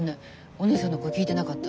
お姉さんの声聴いてなかった。